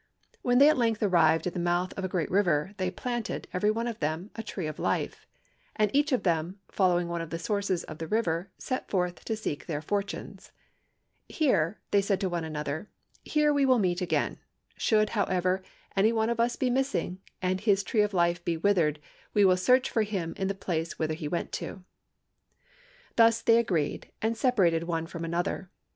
When they at length arrived at the mouth of a great river, they planted, every one of them, a tree of life; and each of them, following one of the sources of the river, set forth to seek their fortunes. 'Here,' said they to one another, 'here will we meet again. Should, however, any one of us be missing, and his tree of life be withered, we will search for him in the place whither he went to.' "Thus they agreed, and separated one from another.